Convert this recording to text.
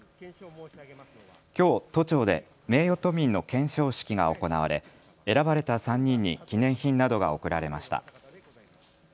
きょう都庁で名誉都民の顕彰式が行われ選ばれた３人に記念品などが贈られました。